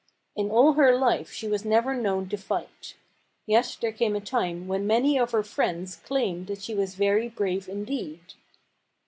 In all her life she was never known to fight. Yet there came a time when many of her friends claimed that she was very brave indeed.